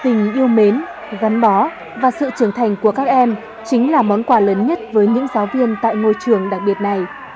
tình yêu mến gắn bó và sự trưởng thành của các em chính là món quà lớn nhất với những giáo viên tại ngôi trường đặc biệt này